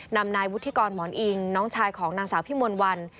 นำนายวุฒิกรหมอนอิงน้องชายของนางสาวพิมนต์วัน